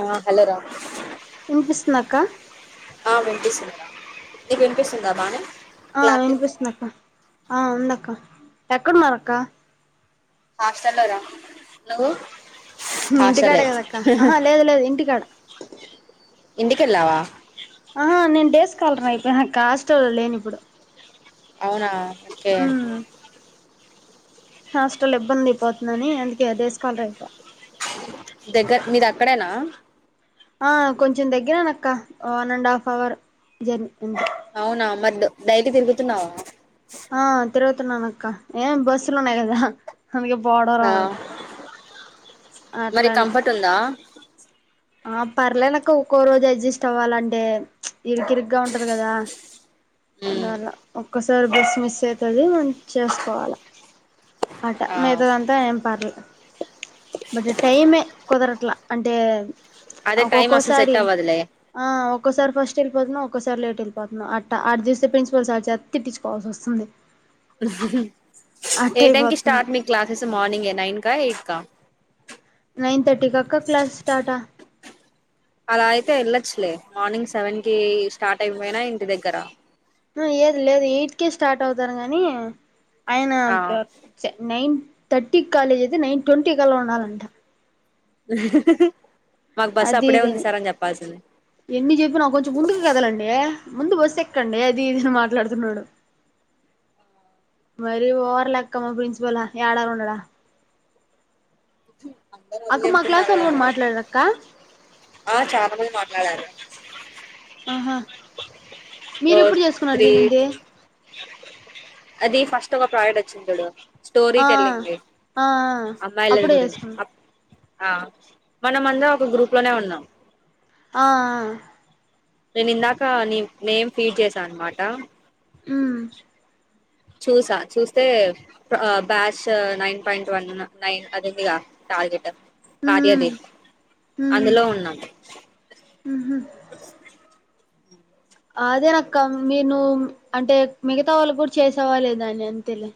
ఆ హలో రా వినిపిస్తుందా అక్క వినిపిస్తుంది రా నీకు వినిపిస్తుందా బానే ఆ క్లారిటీగా ఉందా రా వినిపిస్తుంది అక్క ఆ ఉంద క ఎక్కడున్నారు అక్క హాస్టల్లో రా నువ్వు ఇంటికాడ హాస్టలే కదా అక్క ఆహ లేదు లేదు ఇంటికాడ ఇంటికెళ్ళావా కలర అయిపోయి నా కాస్టల్లో లేను ఇప్పుడు అవునా ఓకే మ్ హాస్టల్ ఇబ్బందిపోతుందని అందుకే డేస్ స్కాలర్ అయిపోయా దగ్గర మీది అక్కడేనా ఆ కొంచెం దగ్గరే అక్క one and half hour journey అవునా మరి డైలి తిరుగుతున్నావా ఆ తిరుగుతున్నాను అక్క ఏ బస్ లోనే కదా అందుకే పోవడం ఆ రావడం మరి అట్లానే కంఫర్ట్ ఉందా ఆ పర్లేదు అక్క ఒక్కో రోజు అడ్జస్ట్ అవ్వాలంటే ఇరుకిరుగ్గా ఉంటది కదా అలా ఉమ్ అలా ఒక్కసారి బస్ మిస్ అవుతుంది మ చేసుకోవాలి అట ఆ మిగతాదంతా ఏం పర్లే బట్ టైమే కుదరట్లా అంటే అదే ఒ టైం అసలు సెట్ ఒక్కొక్కోసారి అవ్వదులే ఆ ఒక్కోసారి ఫస్ట్ వెల్లిపోతున్నా ఒక్కోసారి లేట్ వెళ్ళపోతున్నా అ అ చూస్తే ప్రిన్సిపల్ సార్ చేత తిట్టించుకోవాల్సి వస్తుంది అట్ట ఏ టైమ్కి అయిపోతుంది స్టార్ట్ మీ క్లాసెస్ మార్నింగ్ నైన్ కా ఎయి క్క నైన్ థర్టీకి అక్క క్లాస్ స్టార్టా అలా అయితే వెళ్ళొచ్చులే మార్నింగ్ సెవెన్ కి స్టార్ట్ అయిపోయినా ఇంటి దగ్గర లేదు లేదు ఎయిట్కే స్టార్ట్ అవుతారు గానీ అయన ఆ నైన్ తర్టీ కి కాలేజ్ అయితే నైన్ ట్వంటీ కళ్ళ ఉండాలంట ఉ అది ఇదని ఎన్ని చెప్పినా కొంచెం ముందుకు కదలండి ముందు బస్ ఎక్కండి అది ఇదిని మాట్లాడుతున్నాడు మరి ఓర్ లెక్కమ్మా ప్రిన్సిపల్ ఏడా ఉండడా అందరు అది అక్క మా క్లాస్ చెప్తున్నారు వాళ్ళు కూడా మాట్లాడారక్క ఆ చాలా మంది మాట్లాడారు ఆహా మీర ఓ ఎప్పుడు చేసుకున్నారు త్రీ దీనింది అది ఫస్ట్ ఒక ప్రాడట్ వచ్చింది తోడు ఆ ఆ అమ్మాయిల అప్పుడే గురించి చేేసుకున్నా ఆ మనం అందర ఒక గ్రూప్ లోనే ఉన్నాం ఆ నేను ఇందాక నీ నేమ్ ఫీడ్ చేసా అన్నమాట ఉ మ్మ్ చూసా చూస్తే batch nine point one nine అది ఉందిగా టార్గెట్ మ్మ్ కార్యదేవి మ్మ్ అందులో ఉన్నాం మ్హు అదేనక్క మీరు అంటే మిగతా వాళ్ళు కూడా చేసేవాలేదా అని అని తెలి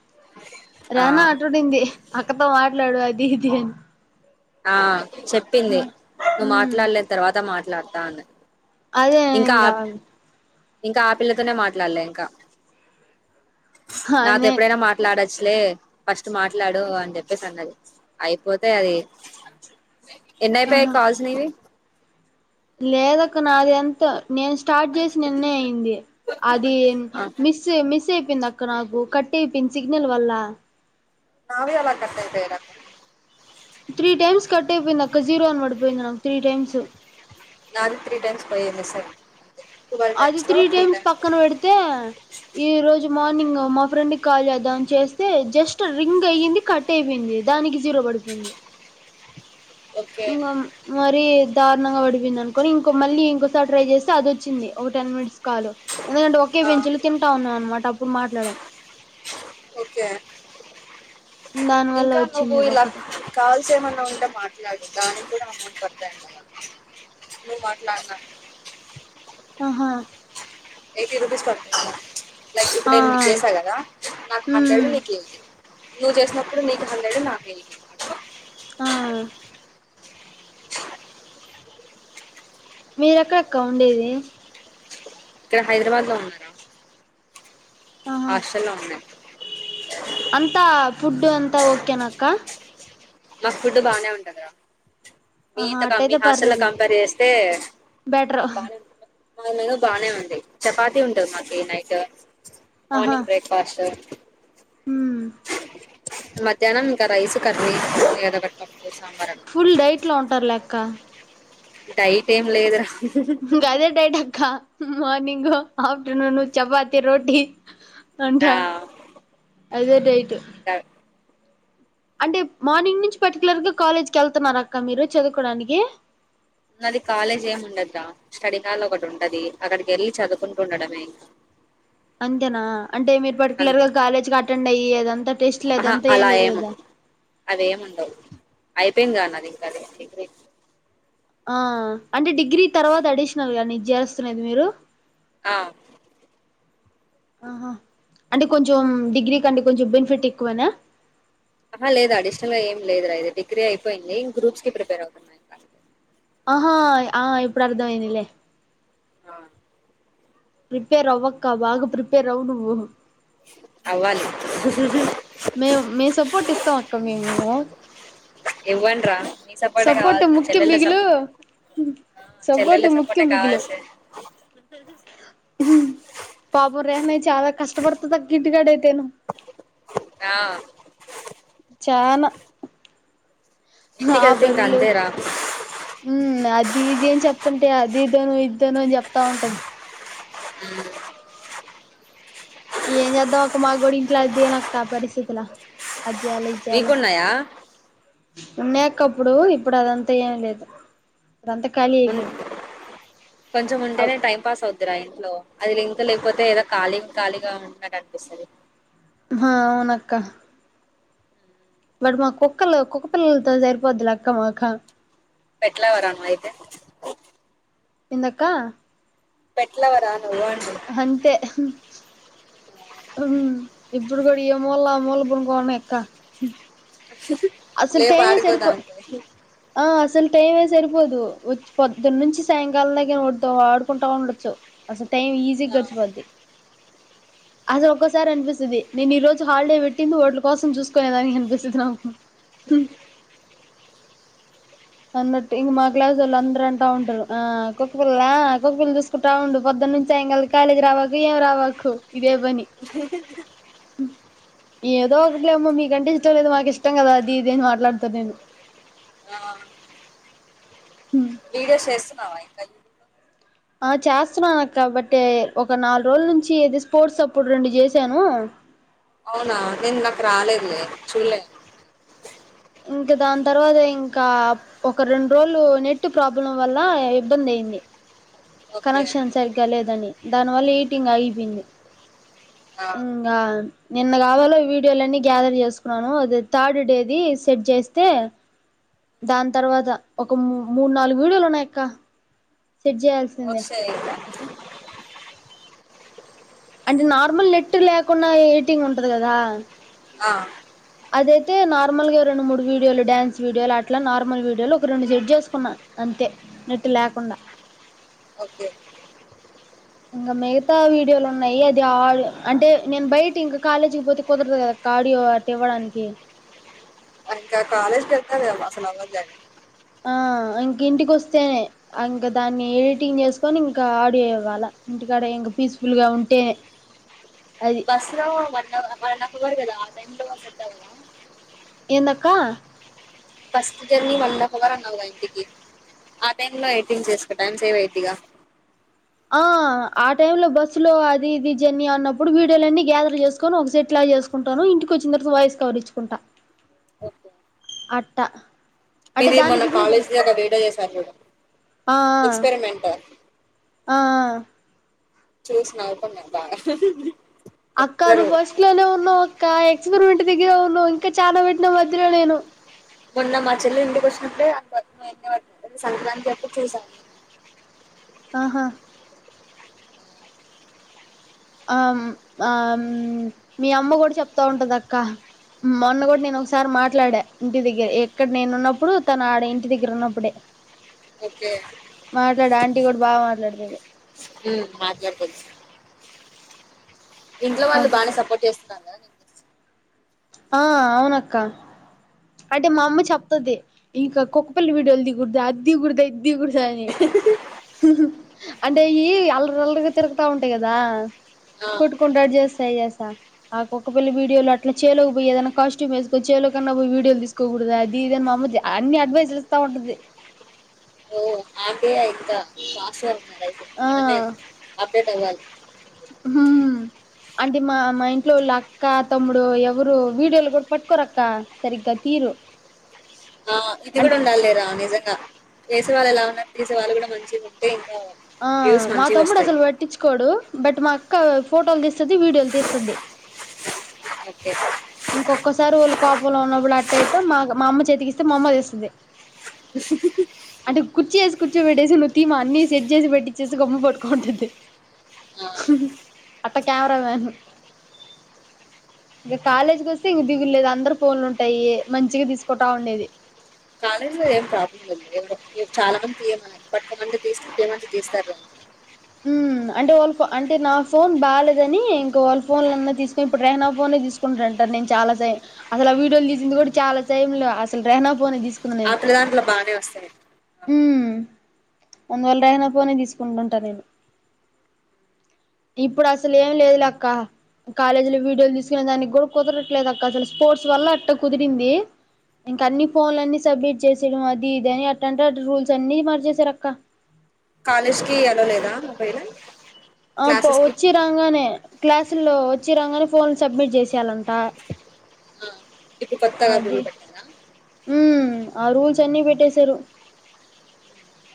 ఆ రేనా ఆటుడింది అక్కతో మాట్లాడు అది ఇది అని ఆ చెప్పింది నువ్ మాట్లాడలేన తర్వాత మాట్ లాతను అదేంగా ఇంకా ఆ పిల్లతోనే మాట్లాడలే ఇంకా హా నాతో నే ఎప్పుడైనా మాట్లాడచ్చు అసలే ఫస్ట్ మాట్లాడు అని చెప్పేసి అన్నది అయిపోతే అది ఎన్నయిపో ఆహా కాస్ నది లేదక్క నాది ఎంత నేను స్టార్ట్ చేసిన నిన్నే అయింది అది ఆ మిస్ మిస్ అయి అయింది అక్క నాకు కట్ట అపోయింది సిగ్నల్ వల్ల నే ఎలాగ కతాయితేద త్రీ టైమ్స్ కట్ అయిపోయింది అక్క జీరో అని పడిపోయింది నాకు త్రీ టైమ్స్ నాలు త్రీ టైమ్స్ పోయిన్నా సార్ అది త్రీ టైమ్స్ పక్కన పెడితే ఈ రోజు మార్నింగ్ మా ఫ్రెండ్ కాల్ చేద్దా అని చేస్తే జస్ట్ రింగ్ అయ్యంది కట్ అయిపోయింది దానికి జీరో పడిపోయింది ఓకే మరి ద పడిపోంది అనుొని ఇంకో మళ్ళీ ఇంకోసారి ట్రై చేస్తే అది వచ్చింది ఒక టెన్ మినిస్ కాల్ ఎందుకంటే ఒకే ఆ బెంచ్ లో తింటా ఉన్నా అనమాట అప్పుడు మాట్లాడి ఓకే దాని వల్ల ఇంకా నువ్వు వచ్చింది ఇది ఇలా ఒకటి కాల్స ఏమన్నా ఉంటే మాట్లాడు దానికి కూడా అమౌంట్ కడతాయి మ నువ్వు మాట్లాడనా ఆహా ఎయిటీ రుపీస్ ప లైక్ ఇప్పుడు ఆ నేను నీకు చేసా కదా నాకు హండ్రెడ్ ఉమ్ నీకు ఎయిటీ నువ్వు చేసినప్పుడు నీకు హందడు నాకే ఆ మీరెక్కడెక్క ఉండేది ఇక్కడ హైదరాబాద్ లో ఉన్నారా ఆహా హాస్టల్లో ఉన్నాయి అంతా ఫుడ్ అంతా ఓకేనా అక్క మాకు ఫుడ్ బానే ఉంటదా ఆహా మీత మీ అట్టయితే హాస్ల్లో పర్లేదు కంపేర్ బెటర్ చేస్తేకు బాగా మా మీద బాగానే ఉంది చపాత ఉంటది మాకి నైట్ మార్నింగ్ బ్రేక్ఫాస్ట్ హ మధ్యాహ్నం ఇంకా రైసు కర్నీ భేదవట్టం ఫుల్ డైట్ లో ఉంటారు లే లెక్క టైట్ ఏం లేదరా గదే టైట్క్క మార్నింగ ఆఫ్టేర్నూన్ చపాతి రోటీ అంట ఆ, అదే డే ఇంకా అంటే మార్నింగ్ నుంచి పర్టికులర్గా కాలేజ్కి వెళ్తున్నారు అక్క మీరు చదువుకోవడానికి అది కాలేజ్ ఏమి ఉండదురా స్టడీ హల్ ఒకటి ఉంటది అక్కడికి వెళ్ళి చదువుకుంటూ ఉండడమే అంతేనా అంటే మీరు పర్టికులర్ అంతే గా కాలేజ్కి అటెండ్ అయ్యి అదంతా టెస్ట్ ఆహా లేదంతే ఏం అలా లేదు ఏము కదా అవేమి ఉండవు [unintelligible] ఆ అంటే డిగ్రీ తర్వాత అడిషనల్ గాని జెస్తున్నది మీరు ఆ ఆహా అంటే కొంచెం డిగ్రీ క అంటే కొంచెం బెనిఫిట్ ఎక్కువేనా ఆహ లేదు అడిషనల్ గా ఏమి లేదు రా ఇది డిగ్రీ అయిపోయింది గ్రూప్స్ కి ప్రిపేర్ అవుతున్నా ఇంకా అంతే ఆహా ఆ ఇప్పుడు అర్ధం అయిందిలే ఆ ప్రిపేర్ అవ్వక్క బాగా ప్రిపేర్ అవు ను్వు అవ్వాలీ మేము మేము సపోర్ట్ ఇస్తాం అక్క మేము ఇవండీ రా మీ సపోర్టే సపోర్ట్ కావాలి ముఖ్యం చెల్లెళ్ళ బిఘలు సపో చెల్లెళ్ళ సపోటి సపోర్టే ముఖ్యం బిఘలు కావాల్సి పాప ఉదయానే చాలా కష్టపడుతుంది అక్క ఇంటికాడ అయితేను ఆ చానా ఆ ఇంటికెళ్తే ఇంక బర్లు అంతేరా ఉమ్ అది దీది అని చెప్తుంటే అది ఇద్దను ఇద్దను అని చెప్తా ఉంటుంది హ్మ్ ఏం చేద్దాం అక్క మా కూడా ఇంట్లో అదేనక్క పరిస్థితిలా అజ్ చేయాల ఇజ్ చేయాల మీకున్నాయా ఉన్నాకప్పుడు ఇప్పుడు అదం తా ఏం లేదు ఇప్పుడంతా ఖాళీ అయిపోయినాం కొంచం ఉంటేనే టైం పాస్ అవ్ తాది రా ఇంట్లో అది ఇంట్లో లేకపోతే ఏదో ఖాళీ ఖాళీగా ఉంటున్నట్టు అనిపిస్తది హా అవునక్క బట్ మా కుక్కల కుక్క పిల్లతో సరిపోద్ది లే అక్క మాకు పేట్ లవర్ ఆ మా అయితే ఎందక్క పేట్ లవర్ ఆ అంతే ఉం ఇప్పుడు కూడా ఏ మొలా ఆ మూలా పనుకోనాయి అక్క అసలు లేపు టైమ్ ఎ సరిపో ఆడుకోదాంటివి ఆ అసలు టైం ఏ సరిపోదు వాచ్ పొద్దున్న నుంచి సాయంకాలాం [unintelligible] ఆడుకుంటా ఉండొచ్చు అసలు టైం ఈజీ ఆ గడిచిపోద్ది అసలు ఒక్కసారి అనిపిస్తుంది నేను ఈ రోజు హాలిడే పెట్టింది ఓట్ల కోసం చూసుకునే దానికి అనిపిస్తుంది నాకు స అన్నట్టు ఇంక మా క్లాసు వాళ్ళు అందరు అంటా ఉంటారు ఆ కుక్కపిిల్లలా కుక్క పల్లలు చూసుకుంటా ఉండు పొద్దున్న నుంచి సాయం కలి కాలేజీ రావాకు ఏం రావాకు ఇదే పని ఏదో ఒకట్లేమో మీకంటే ఇష్టం లేదు మాకు ఇష్టం కదా అది ఇదిేని మాట్లాడుత నేను ఆ హ్మ్ వీడియోస్ చేస్తున్నావా ఇంక ఆ చేస్తున్నానక్క బట్ ఏ ఒక నాలుగు రోజుల నుంచి ఎది స్పోర్ట్స్ అప్పుడు రెండు చేసాను అవునా నేను నాకు రాలేదులే చూలే ఇంకా దాని తర్వాత ఇంకా ఒక రెండు రోజులు నెట్ ప్రాబ్లం వల్ల ఇబ్బంది అయింది ఓకే కనెక్షన్ సరిగ్గా లేదని దానివల్ల హీటింగ్ ఆగిపోయింది ఆ ఇంగ నిన్న కావాలో వీడియోలన్ని గ్యాదర్ చేసుకున్నాను ద థర్డ్ డేది సెట్ చేస్తే దాని తర్వాత ఒక మూడు నాలుగు వీడియోలు ఉన్నాయ క్క వర్ష అయిలా అంటే నార్మల్ నెట్ లేకుండ ఎడిటింగ్ ఉంటది కదా ఆ అదైతే నార్మల్ గా రెండు మూడు వీడియోలు డాన్స్ వీడియోలు అట్లా నార్మల్ వీడియోలు ఒక రెండు సెట్ జేసుకున్నా అంతే నెట్టు లేకుండా ఓకే ఇంకా మిగతా వీడియోలు ఉన్నాయి అది ఆ అంటే నేను బయట ఇంక కాలేజీకి పోతే కుదరదు కదా క్క ఆడియో అట్ ఇవ్వడానికి అక్క కాలేకేళ్తవ గమా అసలు [unintelligible] ఆ ఇంక ఇంటికొస్తేనే ఇంకా దాన్ని ఎడిటింగ్ చేసుకొని ఇంకా ఆడియో ఇవ్వాల ఇంటికాడ ఇంక పీస్ఫుల్ గా ఉంటేనే అది బస్లో మ అక్కడ నాక్ కుదర్దు కదా ఆ టైమ్ లొ సెట్ అవ్లా ఏందక్కా ఫస్ట్ జర్నీ వన్నాఫ్ అవర్ అన్నావుగా ఇంటికి ఆ టైమ్ లో ఎడిటింగ్ చేసుకో టైం సేవ్ అయిద్దిగా ఆ ఆ టై లో బస్సు లో అది ఇది జర్నీ అన్నప్పుడు వీడియోలున్నీ గ్యాదర్ చేసుకొని ఒక సెట్ లా చేసుకుంటాను ఇంటికి వచ్చిన తర్వాత వాయిస్ కవర్ ఇచ్చుకుంటా ఓకే అట్ట అంటే మీది మొన్న కాలేజీ దాగా వీడియో చేశారు చూడు అ ఎక్స్పెరిమెంట్ ఆ అ ఆ చూస్ నవ్వుకొన్న బాగా అక్కా ఒక్కరు నువ్ ఫస్ట్ లోనే ఉన్నవ్ ఇంకా ఎక్స్పరిమెంట్ దగ్గేరే ఉన్నావ్ ఇంకా చానా పెట్నా మధ్యలో నేను మొన్న మా చెల్లెలు ఇంటికి వచ్చినప్పుడే [unintelligible] సంక్రాంతి అ ప్పుడు చేశాం ఆహా ఆమ్ ఆమ్ మీ అమ్మ కూడా చెప్తా ఉంటది అక్క మొన్న కూడా నేను ఒకసారి మాట్లాడా ఇంటి దగ్గర ఎక్కడ నేను ఉన్నప్పుడు ఆడ ఇంటి దగ్గర ఉన్నప్పుడే ఓకే ఇప్పుడు బాగ మాట్లాడుతది ఉమ్ నాగాని తెల్సు ఇంట్లో వాళ్ళు అప్పుడు బానే సపోర్ట్ చేస్తున్నారా ఆ అవునక్క అంటే మా అమ్మ చెప్తది ఇంకా కుక్కపిల్లల వీడియోలు దిగుడద అది దిగుడద ఇది దిగుడ్ దని అంటే అయ్యి అల్ల అల్లరిగా తిరుగుతా ఉంటాయి కదా ఆ కొట్టుకుంటా అట్ చేస్తాయి సా ఆకుక్కపిళ్ల వీడియోలు అట్ల చే లోకి పోయి ఏదన్న కాస్ట్యూమ్ వేసుకో చేలో కన్నా పోయి వీడియోలు తీసుకోకూడద అది ఇదిఅని మా అమ్మ అన్ని అడ్వైస్లు ఇస్తా ఉంటది ఆగే [unintelligible] ఆ మనదే అప్ రేప్ వెళ్ళ హ్మ్ అంటే మా మా ఇంట్లో వాళ్ళ అక్క తమ్ముడు ఎవరు వీడియోలు కూడా పట్టుకోరక్క సరిగ్గా తీరు ఆ ఇది అం కూడా ఉండాలి లేరా నిజంగా చేసే వాళ్ళు ఎలా ఉన్నారు తీసేవాళ్ళు కూడా మంచిగా ఉంటే ఆ మా తమ్ముడు అసలు వట్టించుకోడు బట్ మా అక్క ఫోటోలు తీస్తుది వీడియోలు తీస్తుది ఓకే. ఇంకొక్కసారి వాళ్ళు కోపంలో ఉన్నప్పుడు అట్టట్ట మా మా అమ్మ చేతికిస్తే మా అమ్మ తెస్తుంది అంటే కుర్చీసి కుర్చీ పెట్టేసి నువ్వు థీమా అన్ని సెట్ చేసి పెట్టించేసి గమ్మ పట్టుంటుంది ఆ! అట్ట కెమెరా మ్యాన్ కాలేజీకి వస్తే ఇ దిగులేదు అందరు ఫోన్లు ఉంటాయి మంచిగా తీసుకుంటా ఉండేది కాలేజీ లో ఏం ప్రాబ్లం లేదు ఎవరు చాలా మంది తీయమ పట్టుక మంది తీస్ తీయ్యమంటే తీస్తారు మ్మ్ అంటే వాళ్ళ ఫో అంటే నా ఫోన్ బాలలేదని ఇంకా వాళ్ళ ఫోన్లన్నా తీసుకుొని ఇప్పుడు రెహనా ఫోనే తీసుకుంటార అంటారు నేను చాలాై అస ఆ వీడియోలు తీసింది కూడా చాలా సైమ్ంలో అసలు రెహనా ఫోనే తీసుకు అట్డ దాంట్లో బాగానే వస్తాయి మ్మ్ అందువల్ల రాయానా ఫోనే తీసుకుంటుంటాను నేను ఇప్పుడు అసలు ఏం లేదు అక్క కాలేజీ లో వీడియోలు తీసుకునే దానికి కూడా కుదరట్లేదు అక్క అసలు స్పోర్ట్స్ వల్ల అట్ట కుదిరింది ఇంకా అన్ని ఫోన్లు అన్ని సబ్మిట్ చేసేయడం అది ఇదిని అట్ట అంటే అ రూల్స్ అన్ని మరిచేసారు అక్క కాలేజ్కి అల్లో లేదా మొబైల్ ఆప్ప వచ్చ రాంగనేే క్లాసుల్లో వచ్చి రాంగానే ఫోన్లు సబ్మిట్ చేసేయాలంట ఆ! ఇప్పుడు కొత్తగా అది రూల్ పెట్టారా? మ్మ్ ఆ రూల్స్ అన్ని పెట్టేసారు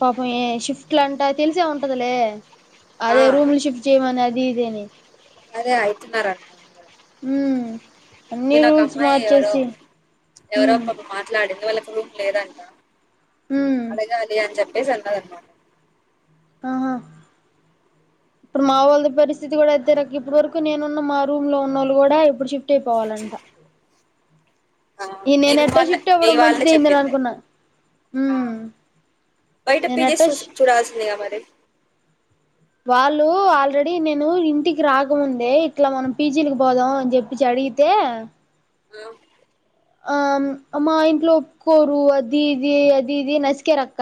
పాపం ఏ షిఫ్ట్ లంటా తెలిసే ఉంటదిలే ఆ! అదే రూములు షిఫ్ట్ చేయమన్నార దిదేనే అదే అయితున్నారాట్ హ్మ్ ఇనొక ఒక అమ్మాయి ఎవరో ఎవరో ఉమ్ పాపం మాట్లాడిర్ వాళ్లకు రూమ్ లేదంట ఉమ్ అడగాలి అని చెప్ యస్ అందగాంత ఆహా ఇప్పుడు మా వొళ్లు పరిస్థితి కూడా అయితే రక ఇప్పుటి వరకు నేనున్న మా రూమ్ లో ఉనోళ్లు కూడా ఇప్పుడు షిప్ ది బోవాలంట ఆ ఈ నేను మీరు ఏంటా వాళ్ళ షిఫ్ట్ మీ అవ్వడం వాళ్ళే మంచిది అయిందిలే చెప్పింది అనుకున్నా ఆ బయట నేను పిజీస్ ఎట్టో చుస్ చూడాల్సిందిగా మరి ఏ వాళ్లు ఆల్రెడీ నేను ఇంటికి రాకముందే ఇట్లా మనం పీజీనికి పోదాం అని చెప్పి అడిగితే హ్మ్ ఆ మా ఇంట్లో ఒప్పుకోరు అది ఇది అది ఇది నస్కారు అక్క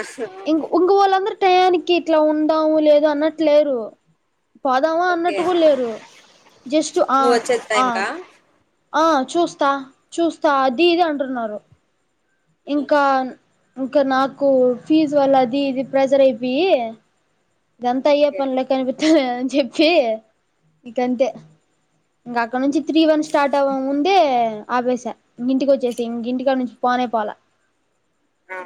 ఆహా! ఇంగ్ ఉంగ్ ఓలందర్ టయానికి ఇట్లా ఉండవు లేదో అన్నట్లేరు పోదామా ఓకే అన్నట్టు గుడ్లేరు. జస్టు ఆ నువ్వు వచ్చే ఆ టైంకా ఆ చూస్తా చూస్తా అది ఇది అంటున్నారు. హ్మ్. ఇంకా న్ ఇంక నాకు ఫీజు వల్ల అది ఇది ప్రెజర్ అయిపోయి, ఇదంతా అయ్యే ఓకే పనిలెక్క అనిపిత్తలేదని చెప్పి ఇకంతే, ఇంక అక్కడ నుంచి త్రీ వన్ స్టార్ట్ అవ్వక్ ముందే ఆపేసా. ఇంగ ఇంటికి వచ్చేస ఇంగ ఇంటికాడ్నుంచి పోనే పోలా. ఆ